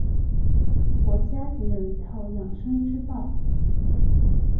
佛家也有一套养生之道。